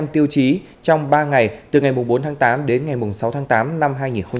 sáu mươi năm tiêu chí trong ba ngày từ ngày bốn tháng tám đến ngày sáu tháng tám năm hai nghìn một mươi năm